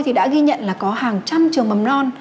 thì đã ghi nhận là có hàng trăm trường mầm non